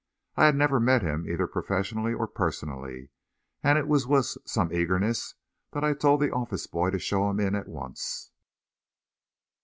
I had never met him either professionally or personally, and it was with some eagerness that I told the office boy to show him in at once.